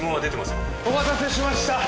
お待たせしました！